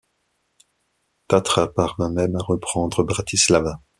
Tatra parvint même à reprendre Bratislava.